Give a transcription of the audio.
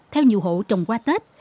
theo nhiều hộ trồng qua tết